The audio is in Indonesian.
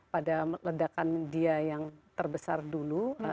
pada ledakan dia yang terbesar dulu